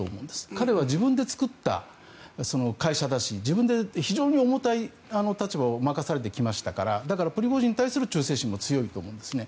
彼は自分で作った会社だし非常に重たい立場を任されてきましたからプリゴジンに対する忠誠心も強いと思うんですね。